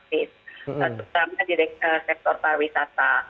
terutama di sektor pariwisata